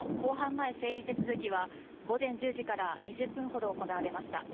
前整理手続きは午前１０時から２０分ほど行われました。